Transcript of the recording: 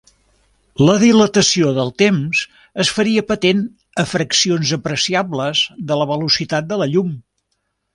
La dilatació del temps es faria patent a fraccions apreciables de la velocitat de la llum.